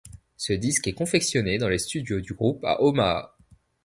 Ce disque est confectionné dans les studios du groupe à Omaha.